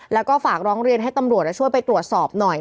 แล้วก็ฝากร้องเรียนให้ตำรวจช่วยไปตรวจสอบหน่อย